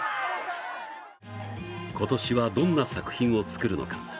今年は、どんな作品を作るのか。